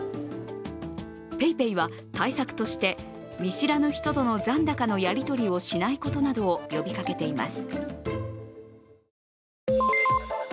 ＰａｙＰａｙは対策として、見知らぬ人との残高のやり取りをしないことなどを呼びかけています。